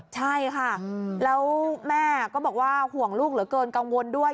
ใช่ค่ะแล้วแม่ก็บอกว่าห่วงลูกเหลือเกินกังวลด้วย